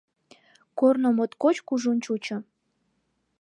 Корно моткоч кужун чучо.